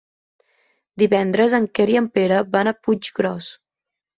Divendres en Quer i en Pere van a Puiggròs.